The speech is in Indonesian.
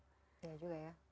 ya juga ya